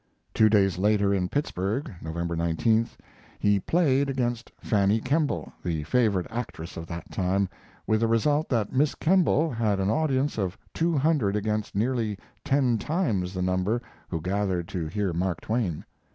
Two days later, in Pittsburgh (November 19th), he "played" against Fanny Kemble, the favorite actress of that time, with the result that Miss Kemble had an audience of two hundred against nearly ten times the number who gathered to hear Mark Twain.